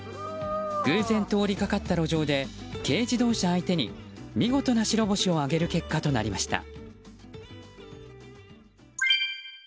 偶然通りかかった路上で軽自動車相手に見事な白星を挙げる結果となりました。